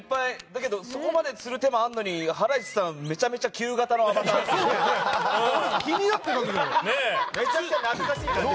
だけどそこまでする手間あるのにハライチさんはめちゃめちゃ旧型のアバターですね。